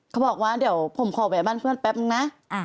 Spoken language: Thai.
เขาบอกว่าเดี๋ยวผมขอแวะบ้านเพื่อนแป๊บนึงนะ